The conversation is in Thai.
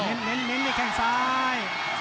เน้นเน้นเน้นในแข่งซ้าย